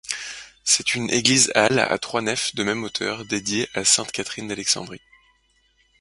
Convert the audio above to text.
C'est une église-halle à trois nefs de même hauteur dédiée à Sainte Catherine d'Alexandrie.